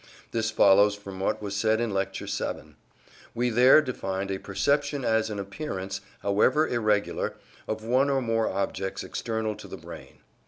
This follows from what was said in Lecture VII. We there defined a perception as an appearance, however irregular, of one or more objects external to the brain.